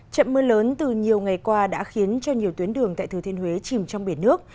chậm mưa lớn từ nhiều ngày qua đã khiến cho nhiều tuyến đường tại thừa thiên huế chìm trong biển nước